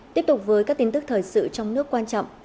tiếp tục với các tin tức thời sự trong nước quan trọng